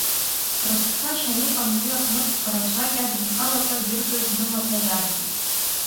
Рыԥсқәа шьаны иҟамзи аҟнытә, рацәак иадымхалакәа, иркыз рымаҭа ҩаргеит.